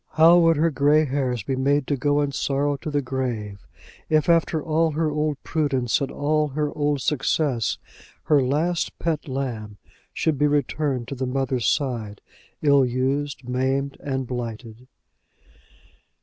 How would her gray hairs be made to go in sorrow to the grave, if, after all her old prudence and all her old success, her last pet lamb should be returned to the mother's side, ill used, maimed, and blighted!